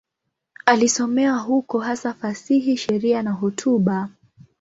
Alisomea huko, hasa fasihi, sheria na hotuba.